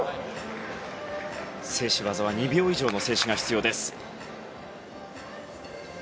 静止技は２秒以上の静止が必要です。